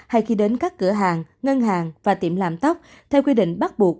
hay khi đến các cửa hàng ngân hàng và tiệm làm tóc theo quy định bắt buộc